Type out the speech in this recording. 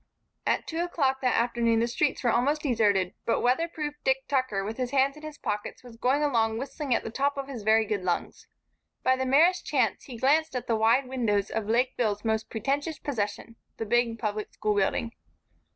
At two o'clock that afternoon the streets were almost deserted, but weatherproof Dick Tucker, with his hands in his pockets, was going along whistling at the top of his very good lungs. By the merest chance he glanced at the wide windows of Lakeville's most pretentious possession, the big Public School building.